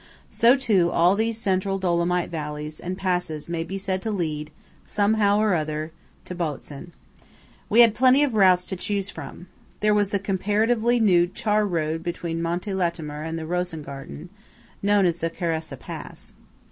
So, too, all these central Dolomite valleys and passes may be said to lead, somehow or another, to Botzen. We had plenty of routes to choose from. There was the comparatively new char road between Monte Latemar and the Rosengarten, known as the Caressa pass.